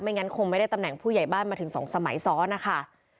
งั้นคงไม่ได้ตำแหน่งผู้ใหญ่บ้านมาถึง๒สมัยซ้อนนะคะ